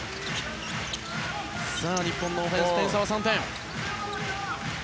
日本のオフェンス点差は３点。